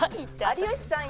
有吉さん